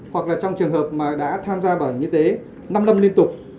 hoặc là trong trường hợp mà đã tham gia bảo hiểm y tế năm năm liên tục